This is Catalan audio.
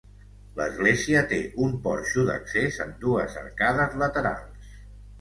L'església té un porxo d'accés amb dues arcades laterals.